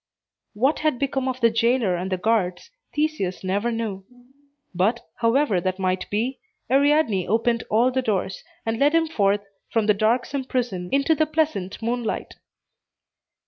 What had become of the jailer and the guards, Theseus never knew. But, however that might be, Ariadne opened all the doors, and led him forth from the darksome prison into the pleasant moonlight.